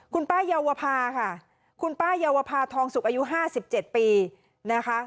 คุณป้ายาวภาค่ะคุณป้ายาวภาทองสุกอายุ๕๗ปีนะคะ